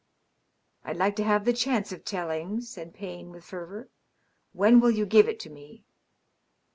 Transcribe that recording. " I'd like to have the chance of telling," said Payne, with fervor. *^ When will you give it to me